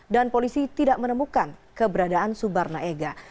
dan polisi tidak menemukan keberadaan subarna ega